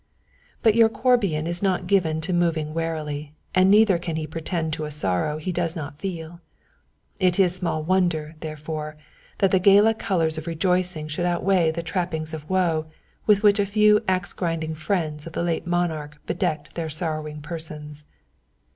But your Corbian is not given to moving warily, and neither can he pretend to a sorrow he does not feel. It is small wonder, therefore, that the gala colours of rejoicing should outweigh the trappings of woe with which a few axe grinding friends of the late monarch bedecked their sorrowing persons.